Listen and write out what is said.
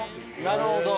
なるほど！